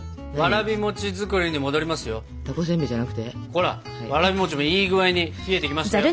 ほらわらび餅もいい具合に冷えてきましたよ。